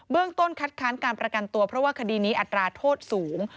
ต้นคัดค้านการประกันตัวเพราะว่าคดีนี้อัตราโทษสูง